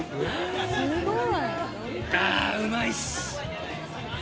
あー、うまいっす。